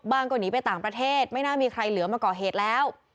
ก็หนีไปต่างประเทศไม่น่ามีใครเหลือมาก่อเหตุแล้ว